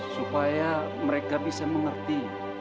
supaya mereka bisa mengerti